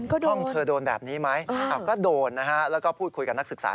ฉันก็โดนอ๋อก็โดนนะฮะแล้วก็พูดคุยกับนักศึกษา